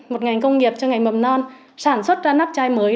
một ngành công nghiệp cho ngành mầm non sản xuất ra nắp chai mới